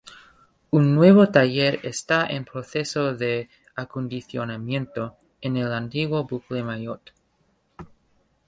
Un nuevo taller está en proceso de acondicionamiento en el antiguo bucle Maillot.